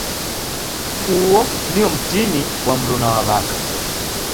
Uo nio mtini wa mruna wa w'aka.